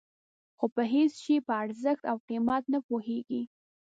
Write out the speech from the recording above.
خو په هېڅ شي په ارزښت او قیمت نه پوهېږي.